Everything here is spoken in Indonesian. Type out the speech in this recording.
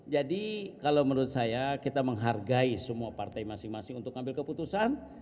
jadi kalau menurut saya kita menghargai semua partai masing masing untuk ngambil keputusan